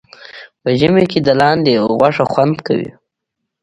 په ژمي کې د لاندي غوښه خوند کوي